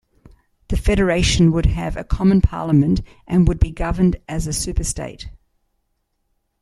The federation would have a common parliament and would be governed as a superstate.